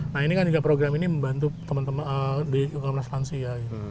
nah ini kan juga program ini membantu komnas lansia